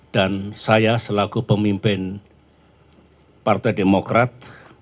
dan saya selaku pemimpin partai demokrat